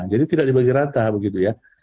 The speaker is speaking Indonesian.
jadi tidak dibagi rata begitu ya